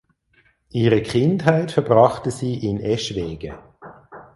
Ihre Kindheit verbrachte sie in Eschwege.